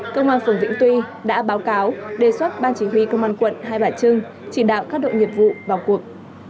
công an phường vĩnh tuy đã báo cáo đề xuất ban chỉ huy công an quận hai bà trưng chỉ đạo các đội nghiệp vụ vào cuộc